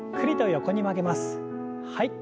はい。